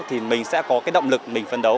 thì mình sẽ có cái động lực mình phân đấu